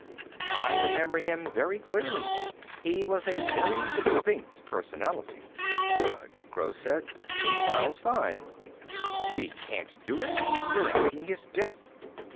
I remember him very clearly. He was a very distinct personality." "Good," Gross said. "He sounds fine." "We can't do it. We're asking his death!"